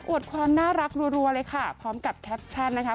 วดความน่ารักรัวเลยค่ะพร้อมกับแคปชั่นนะคะ